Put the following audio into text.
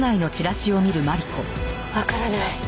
わからない。